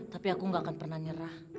tapi aku gak akan pernah nyerah